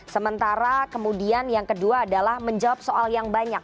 sementara kemudian yang kedua adalah menjawab soal yang banyak